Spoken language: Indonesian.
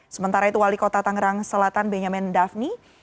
sementara itu wali kota tangerang selatan benjamin daphne